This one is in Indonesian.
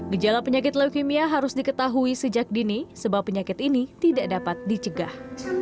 gejala penyakit leukemia harus diketahui sejak dini sebab penyakit ini tidak dapat dicegah